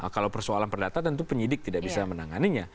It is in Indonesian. kalau persoalan perdata tentu penyidik tidak bisa menanganinya